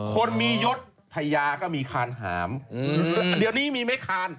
คนมียศพญาก็มีคานหามเดี๋ยวนี้มีไม้คาน